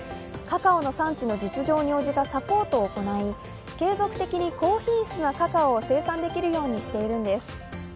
カカオの産地の実情に応じたサポートを行い、継続的に高品質なカカオを生産できるようにしているんです。